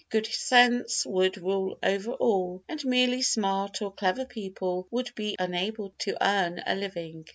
Good sense would rule over all, and merely smart or clever people would be unable to earn a living.